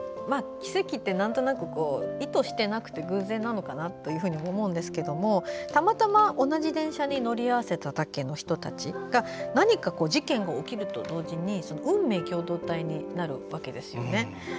奇跡ってなんとなく意図してなくて偶然なのかなって思うんですけどたまたま同じ電車に乗り合わせただけの人たち何か、事件が起きると同時に運命共同体になるわけですよね。